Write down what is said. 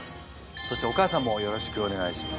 そしてお母さんもよろしくお願いします。